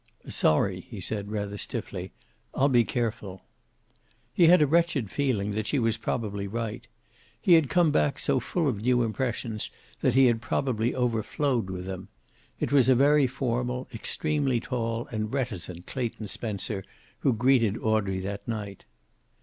"Sorry," he said, rather stiffly. "I'll be careful." He had a wretched feeling that she was probably right. He had come back so full of new impressions that he had probably overflowed with them. It was a very formal, extremely tall and reticent Clayton Spencer who greeted Audrey that night.